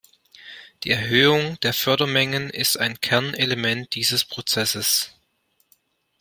Die Erhöhung der Fördermengen ist ein Kernelement dieses Prozesses.